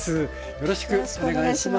よろしくお願いします。